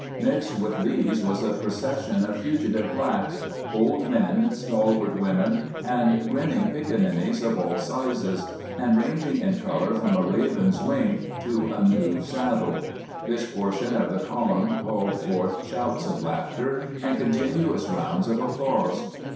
Mixed with these was a procession of fugitive blacks — old men, stalwart women, and grinning piccaninnies of all sizes, and ranging in color from a raven's wing to a new saddle. This portion of the column called forth shouts of laughter and con tinuous rounds of applause.